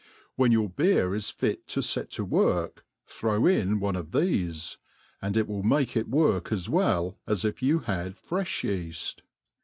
When your beer is fir to let to virorky thrQU^ in one of riiefe, and it will bake it work as well as if you bad frefli yeaft.